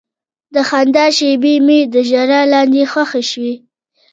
د خندا شېبې مې د ژړا لاندې ښخې شوې.